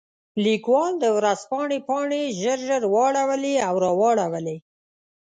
لیکوال د ورځپاڼې پاڼې ژر ژر واړولې او راواړولې.